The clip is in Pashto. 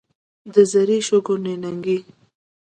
د زري شګو نینکې.